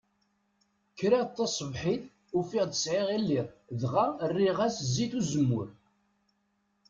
Kreɣ-d taṣebḥit ufiɣ-d sɛiɣ illeḍ, dɣa erriɣ-as zzit uzemmur.